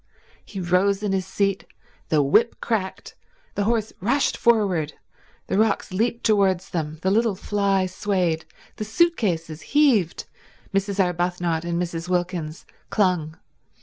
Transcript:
He rose in his seat, the whip cracked, the horse rushed forward, the rocks leaped towards them, the little fly swayed, the suit cases heaved, Mrs. Arbuthnot and Mrs. Wilkins clung.